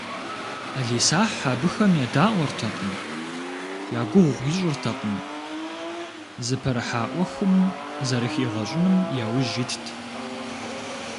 Ӏэлисахь абыхэм едаӏуэртэкъым, я гугъу ищӏыртэкъым, зыпэрыхьа ӏуэхум зэрыхигъэщӏыным яужь итт.